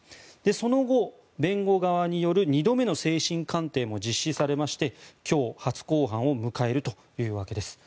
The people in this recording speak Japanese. その後、弁護側による２度目の精神鑑定も実施されまして今日、初公判を迎えるというわけです。